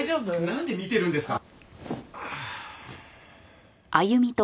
なんで見てるんですか！